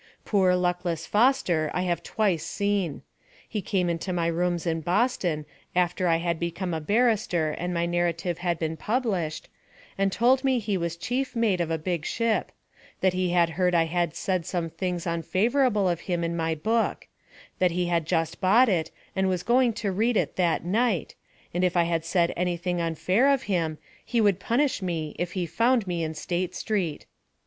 Poor, luckless Foster I have twice seen. He came into my rooms in Boston, after I had become a barrister and my narrative had been published, and told me he was chief mate of a big ship; that he had heard I had said some things unfavorable of him in my book; that he had just bought it, and was going to read it that night, and if I had said anything unfair of him, he would punish me if he found me in State Street.